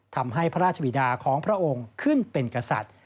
ทำให้พระราชวีนาของพระองค์ขึ้นเป็นกษัตริย์